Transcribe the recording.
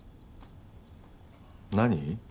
何？